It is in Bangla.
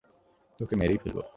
তোকে মেরেই ফেলবো।